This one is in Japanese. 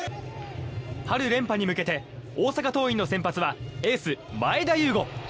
春連覇に向けて大阪桐蔭の先発はエース前田悠伍。